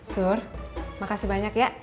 sur makasih banyak ya